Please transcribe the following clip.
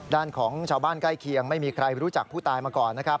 ด้านของชาวบ้านใกล้เคียงไม่มีใครรู้จักผู้ตายมาก่อนนะครับ